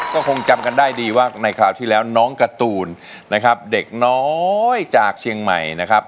ก็คงจำกันได้ดีว่าในคราวที่แล้วน้องการ์ตูนนะครับเด็กน้อยจากเชียงใหม่นะครับ